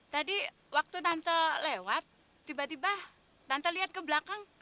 tadi waktu tante lewat tiba tiba tante lihat ke belakang